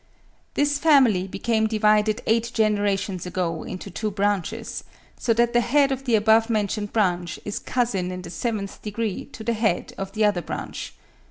This family became divided eight generations ago into two branches; so that the head of the above mentioned branch is cousin in the seventh degree to the head of the other branch.